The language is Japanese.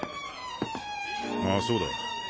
あっそうだ。